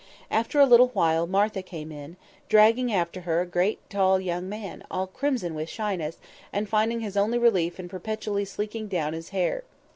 After a little while Martha came in, dragging after her a great tall young man, all crimson with shyness, and finding his only relief in perpetually sleeking down his hair.